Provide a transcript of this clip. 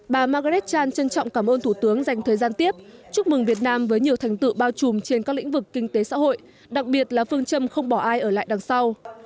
bà margaretchan trân trọng cảm ơn thủ tướng dành thời gian tiếp chúc mừng việt nam với nhiều thành tựu bao trùm trên các lĩnh vực kinh tế xã hội đặc biệt là phương châm không bỏ ai ở lại đằng sau